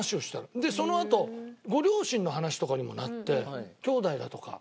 でそのあとご両親の話とかにもなって兄弟だとか。